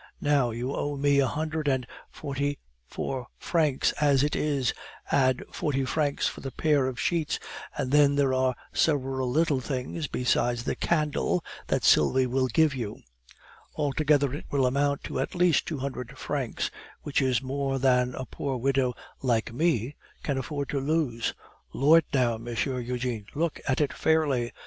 Now, you owe me a hundred and forty four francs as it is, add forty francs for the pair of sheets, and then there are several little things, besides the candle that Sylvie will give you; altogether it will all mount up to at least two hundred francs, which is more than a poor widow like me can afford to lose. Lord! now, Monsieur Eugene, look at it fairly.